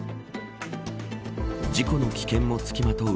事故の危険もつきまとう